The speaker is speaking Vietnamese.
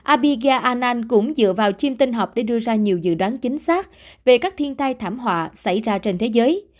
abiga an cũng dựa vào chim tinh học để đưa ra nhiều dự đoán chính xác về các thiên tai thảm họa xảy ra trên thế giới